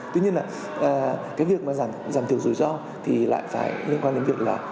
tuy nhiên là cái việc mà giảm thiểu rủi ro thì lại phải liên quan đến việc là